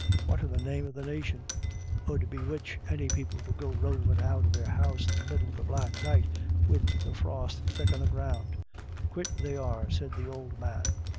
" What in the name of the nation 'ud bewitch any people to go rovin' out of their house in the middle of the black night, wid the frost thick on the ground ?"" Quit they are," said the old man.